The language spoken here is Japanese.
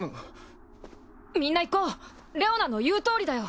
みんな行こうレオナの言うとおりだよ。